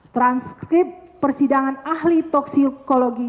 transkrip persidangan ahli toksikologi